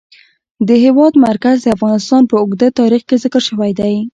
د هېواد مرکز د افغانستان په اوږده تاریخ کې ذکر شوی دی.